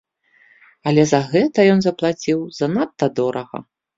Але за гэта ён заплаціў занадта дорага.